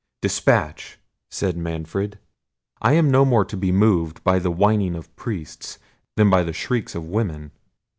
"Despatch!" said Manfred; "I am no more to be moved by the whining of priests than by the shrieks of women."